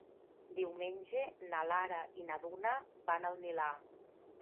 Diumenge na Lara i na Duna van al Milà.